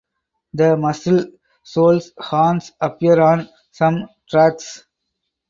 The Muscle Shoals Horns appear on some tracks.